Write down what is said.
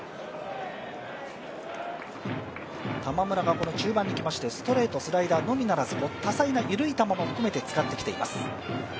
玉村が中盤に来てスライダー、ストレートのみならず多彩な緩い球も含めて使ってきています。